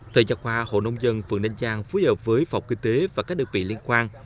theo giáo khoa hộ nông dân phường ninh giang phối hợp với phòng kinh tế và các đơn vị liên quan